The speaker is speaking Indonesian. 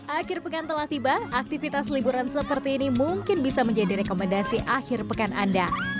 akhir pekan telah tiba aktivitas liburan seperti ini mungkin bisa menjadi rekomendasi akhir pekan anda